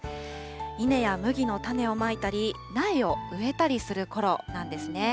稲や麦の種をまいたり、苗を植えたりするころなんですね。